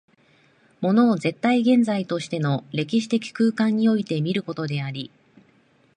物を絶対現在としての歴史的空間において見ることであり、